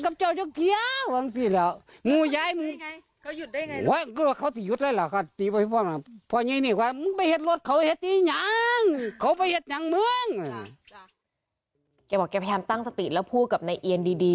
กับพี่แพมตั้งสติแล้วพูดกับณ์เอียนดี